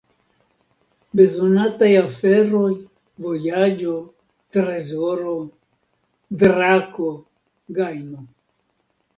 Bezonataj aferoj: vojaĝo, trezoro, drako, gajno.